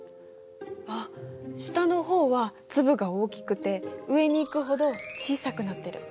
あっ下の方は粒が大きくて上に行くほど小さくなってる。